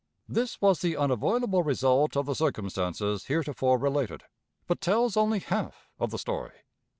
This was the unavoidable result of the circumstances heretofore related, but tells only half of the story.